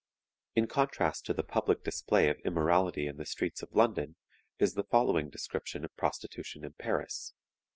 In contrast to the public display of immorality in the streets of London, is the following description of prostitution in Paris.